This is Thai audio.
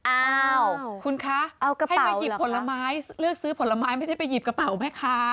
อ้าวคุณคะให้ไปหยิบผลไม้เลือกซื้อผลไม้ไม่ใช่ไปหยิบกระเป๋าแม่ค้า